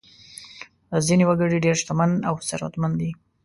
ځینې وګړي ډېر شتمن او ثروتمند دي.